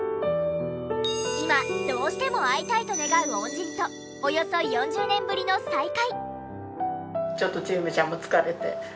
今どうしても会いたいと願う恩人とおよそ４０年ぶりの再会。